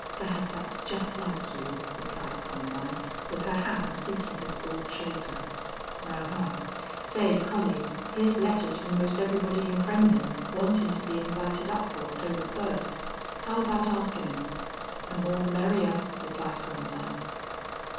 "Dad that's just like you," replied Columbine, with her hand seeking his broad shoulder. "Ahuh! Say, Collie, hyar's letters from 'most everybody in Kremmlin' wantin' to be invited up fer October first. How about askin' 'em?" "The more the merrier," replied Columbine.